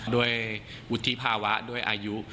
โดยอุทิภาวะโดยอายุ